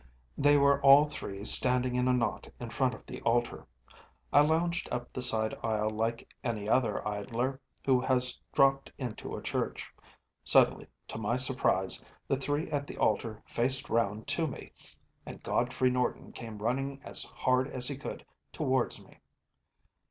They were all three standing in a knot in front of the altar. I lounged up the side aisle like any other idler who has dropped into a church. Suddenly, to my surprise, the three at the altar faced round to me, and Godfrey Norton came running as hard as he could towards me.